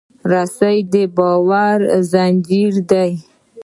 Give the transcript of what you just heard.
رسۍ د باور زنجیر دی.